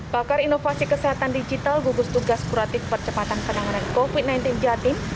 pakar inovasi kesehatan digital gugus tugas kuratif percepatan penanganan covid sembilan belas jatim